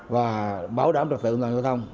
và bảo đảm trật tự nội ngũ thông